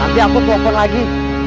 nanti aku telfon lagi